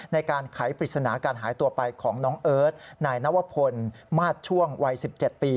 ในการไขปริศนาการหายตัวไปของน้องเอิร์ทนายนวพลมาสช่วงวัย๑๗ปี